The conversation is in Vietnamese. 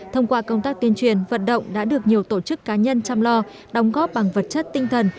thông qua công tác tuyên truyền vận động đã được nhiều tổ chức cá nhân chăm lo đóng góp bằng vật chất tinh thần